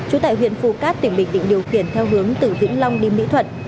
huyện phù cát tỉnh bình định điều khiển theo hướng từ vĩnh long đi mỹ thuận